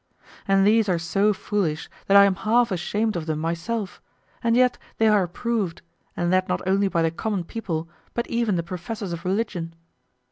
And these are so foolish that I am half ashamed of them myself, and yet they are approved, and that not only by the common people but even the professors of religion.